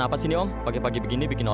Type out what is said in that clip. di sini jadi hvor yang makan teman nih kita om